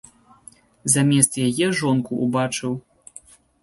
Замест яе жонку ўбачыў.